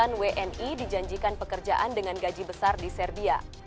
bandara soekarno hatta sampaikan sembilan wni dijanjikan pekerjaan dengan gaji besar di serbia